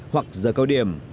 hoặc giờ cao điểm